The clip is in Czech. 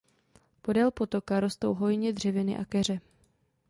Podél potoka rostou hojně dřeviny a keře.